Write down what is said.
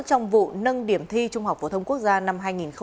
trong vụ nâng điểm thi trung học phổ thông quốc gia năm hai nghìn một mươi chín